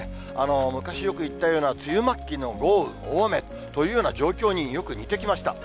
昔よく言ったような梅雨末期の豪雨、大雨というような状況によく似てきました。